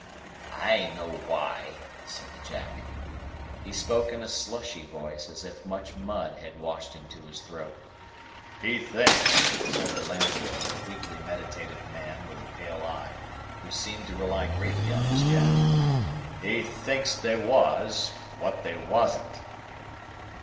"I know why," said the Jack. He spoke in a slushy voice, as if much mud had washed into his throat. "He thinks," said the landlord, a weakly meditative man with a pale eye, who seemed to rely greatly on his Jack,—"he thinks they was, what they wasn't."